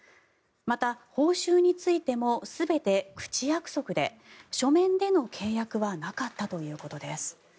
また、報酬についても全て口約束で書面での契約はなかったということです。